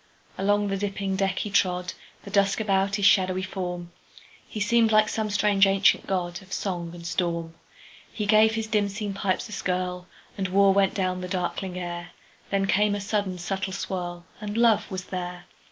Along the dipping deck he trod, The dusk about his shadowy form; He seemed like some strange ancient godOf song and storm. He gave his dim seen pipes a skirlAnd war went down the darkling air; Then came a sudden subtle swirl, And love was there.